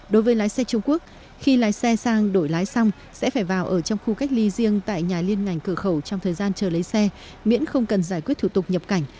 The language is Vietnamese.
đối với lái xe trung quốc khi lái xe sang đổi lái xong sẽ phải vào ở trong khu cách ly riêng tại nhà liên ngành cửa khẩu trong thời gian chờ lấy xe miễn không cần giải quyết thủ tục nhập cảnh